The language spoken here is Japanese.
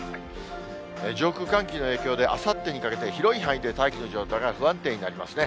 上空、寒気の影響で、あさってにかけて広い範囲で大気の状態が不安定になりますね。